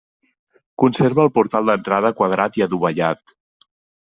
Conserva el portal d'entrada quadrat i adovellat.